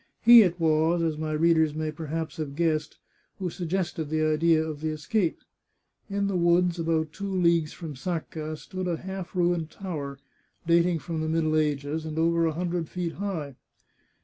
He it was, as my readers may perhaps have guessed, who suggested the idea of the escape. In the woods, about two leagues from Sacca, stood a half ruined tower, dating from the middle ages, and over a hun dred feet high.